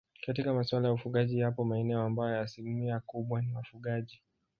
Katika maswala ya ufugaji yapo maeneo ambayo asilimia kubwa ni wafugaji